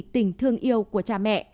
tình thương yêu của cha mẹ